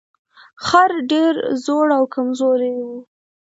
خر ډیر زوړ او کمزوری و.